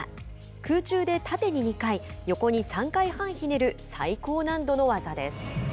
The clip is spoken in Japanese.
空中で縦に２回横に３回半ひねる最高難度の技です。